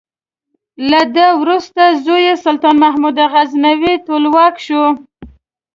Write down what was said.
له ده وروسته زوی یې سلطان محمود غزنوي ټولواک شو.